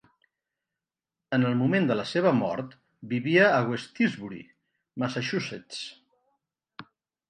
En el moment de la seva mort vivia a West Tisbury, Massachusetts.